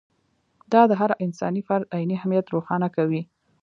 دا د هر انساني فرد عیني اهمیت روښانه کوي.